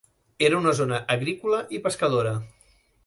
Era una zona agrícola i pescadora.